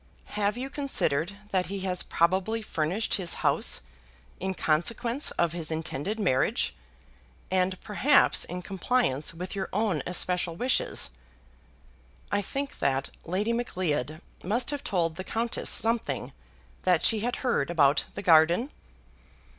Have you considered that he has probably furnished his house in consequence of his intended marriage, and perhaps in compliance with your own especial wishes? [I think that Lady Macleod must have told the Countess something that she had heard about the garden.